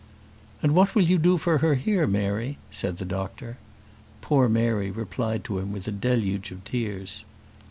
"And what will you do for her here, Mary?" said the doctor. Poor Mary replied to him with a deluge of tears.